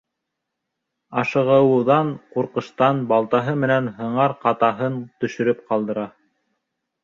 Ашығыуҙан, ҡурҡыштан балтаһы менән һыңар ҡатаһын төшөрөп ҡалдыра.